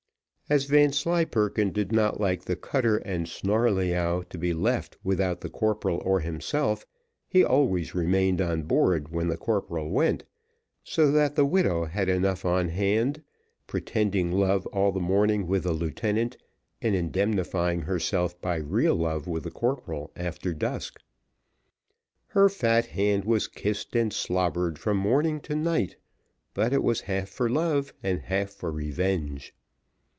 As Vanslyperken did not like the cutter and Snarleyyow to be left without the corporal or himself, he always remained on board when the corporal went, so that the widow had enough on hand pretending love all the morning with the lieutenant, and indemnifying herself by real love with the corporal after dusk. Her fat hand was kissed and slobbered from morning to night, but it was half for love and half for revenge.